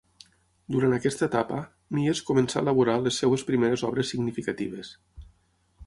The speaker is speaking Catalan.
Durant aquesta etapa, Mies començà a elaborar les seves primeres obres significatives.